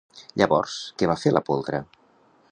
Llavors què va fer la poltra?